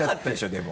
でも。